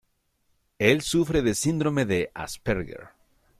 Él sufre Síndrome de Asperger.